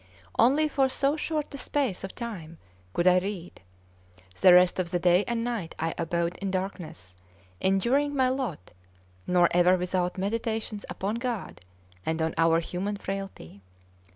Only for so short a space of time could I read; the rest of the day and night I abode in darkness, enduring my lot, nor ever without meditations upon God and on our human frailty.